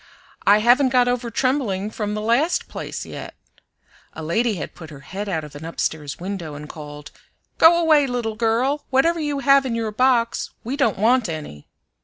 "I haven't got over trembling from the last place yet." (A lady had put her head out of an upstairs window and called, "Go away, little girl; whatever you have in your box we don't want any.")